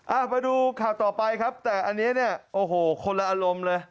มาดูข่าวต่อไปครับแต่อันนี้เนี่ยโอ้โหคนละอารมณ์เลย